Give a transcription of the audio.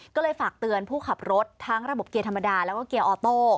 ก็เลยฝากเตือนผู้ขับรถทั้งระบบเกียร์ธรรมดาแล้วก็เกียร์ออโต้